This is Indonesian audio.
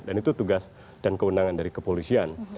dan itu tugas dan kewenangan dari kepolisian